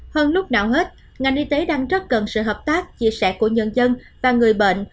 hơn lúc nào hết ngành y tế đang rất cần sự hợp tác chia sẻ của nhân dân và người bệnh